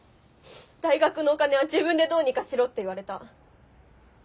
「大学のお金は自分でどうにかしろ」って言われた。